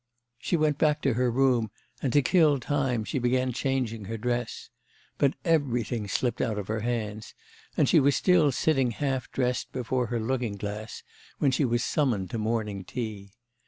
She went back to her room and, to kill time, she began changing her dress. But everything slipped out of her hands, and she was still sitting half dressed before her looking glass when she was summoned to morning tea.